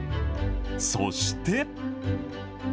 そして。